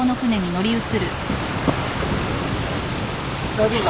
大丈夫か？